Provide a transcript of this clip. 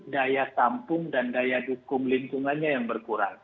daya tampung dan daya dukung lingkungannya yang berkurang